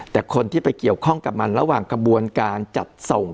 แต่คนที่ไปเกี่ยวข้องกับมันระหว่างกระบวนการจัดส่ง